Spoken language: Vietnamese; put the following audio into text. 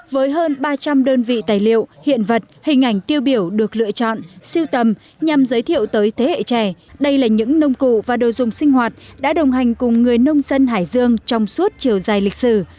với hơn ba trăm linh đơn vị tài liệu hiện vật hình ảnh tiêu biểu được lựa chọn siêu tầm nhằm giới thiệu tới thế hệ trẻ đây là những nông cụ và đồ dùng sinh hoạt đã đồng hành cùng người nông dân hải dương trong suốt chiều dài lịch sử